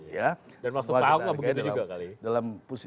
dan maksud pak angga begitu juga kali